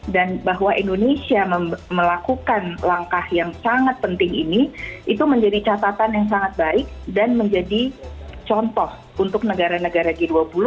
dan bahwa indonesia melakukan langkah yang sangat penting ini itu menjadi catatan yang sangat baik dan menjadi contoh untuk negara negara g dua puluh